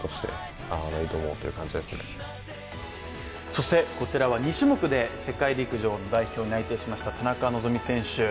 そしてこちらは２種目で世界陸上の代表に内定しました、田中希実選手。